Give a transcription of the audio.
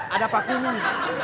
ada pak gunan